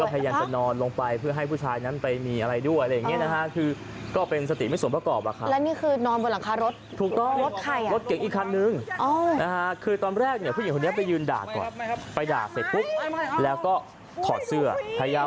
แล้วก็พิกัดจะนอนลงไปเพื่อให้ผู้ชายนั้นไปมีอะไรด้วย